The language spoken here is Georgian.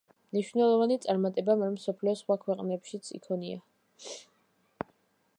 მნიშვნელოვანი წარმატება მან მსოფლიოს სხვა ქვეყნებშიც იქონია.